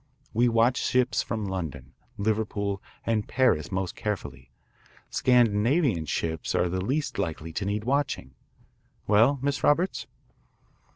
We watch ships from London, Liverpool, and Paris most carefully. Scandinavian ships are the least likely to need watching. Well, Miss Roberts?"